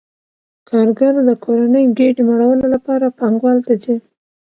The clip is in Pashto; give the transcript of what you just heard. کارګر د کورنۍ ګېډې مړولو لپاره پانګوال ته ځي